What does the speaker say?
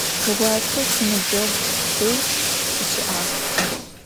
Tığuase sinıbceğu dej sışı'ağ.